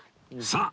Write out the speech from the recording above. さあ！